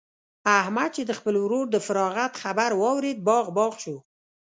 احمد چې د خپل ورور د فراغت خبر واورېد؛ باغ باغ شو.